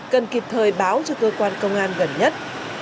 cần kịp thời báo cho cơ quan công an gần nhất